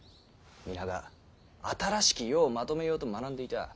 皆が新しき世をまとめようと学んでいた。